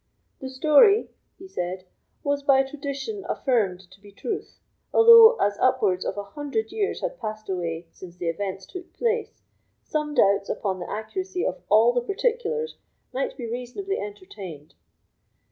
"The story," he said, "was, by tradition, affirmed to be truth, although, as upwards of a hundred years had passed away since the events took place, some doubts upon the accuracy of all the particulars might be reasonably entertained."